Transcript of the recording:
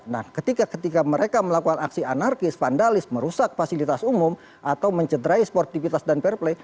nah ketika ketika mereka melakukan aksi anarkis vandalis merusak fasilitas umum atau mencederai sportivitas dan fair play